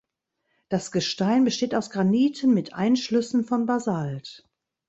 Das Gestein besteht aus Graniten mit Einschlüssen von Basalt.